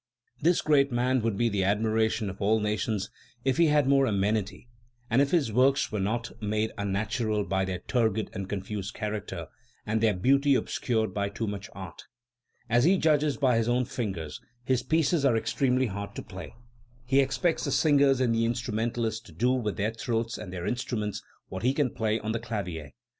"This great man would be the admiration of all nations if he had more amenity, and if his works were not made unnatural by their turgid and confused character, and their beauty obscured by too much art. As he judges by his own fingers, his pieces are ex tremely hard to play; he expec'ts the singers and the instrumenta lists to do with their throats and their instruments what he can play on the clavier.